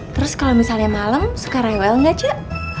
terus kalau misalnya malem suka rewel gak ceh